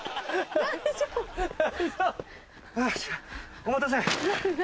お待たせ！